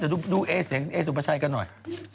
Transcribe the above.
เดี๋ยวดูเอเสียงเอสุภาชัยกันหน่อย